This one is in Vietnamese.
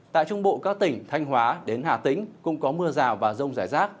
tại trung bộ các tỉnh thanh hóa đến hà tĩnh cũng có mưa rào và rông rải rác